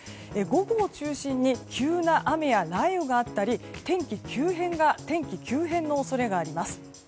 午後を中心に急な雨や雷雨があったり天気急変の恐れがあります。